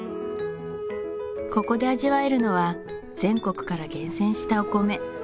ここで味わえるのは全国から厳選したお米